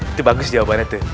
itu bagus jawabannya tuh